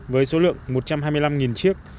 với số lượng một trăm hai mươi năm chiếc